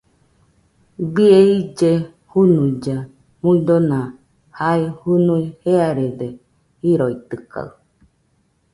Bie ille junuilla muidona, ja jɨnui jearede jiroitɨkaɨ